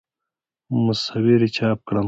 مصور یې چاپ کړم.